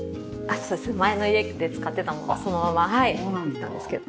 前の家で使ってたものをそのまま持ってきたんですけど。